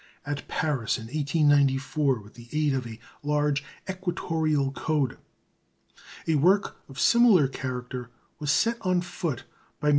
At Paris, in 1894, with the aid of a large "equatoreal coudé," a work of similar character was set on foot by MM.